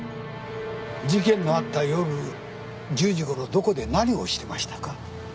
事件のあった夜１０時ごろどこで何をしてましたか？